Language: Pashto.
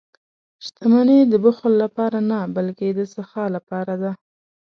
• شتمني د بخل لپاره نه، بلکې د سخا لپاره ده.